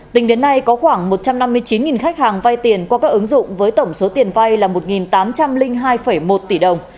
tính đến nay có khoảng một trăm năm mươi chín khách hàng vay tiền qua các ứng dụng với tổng số tiền vay là một tám trăm linh hai một tỷ đồng